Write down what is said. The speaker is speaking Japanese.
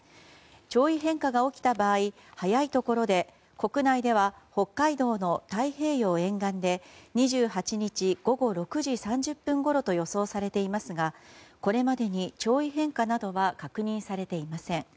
潮位変化が起きた場合早いところで国内では北海道の太平洋沿岸で２８日午後６時３０分ごろと予想されていますがこれまでに潮位変化などは確認されていません。